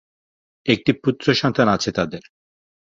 একটি পুত্রসন্তান আছে তাদের।